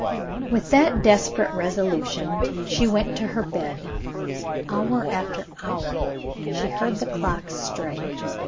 With that desperate resolution, she went to her bed. Hour after hour she heard the clock strike.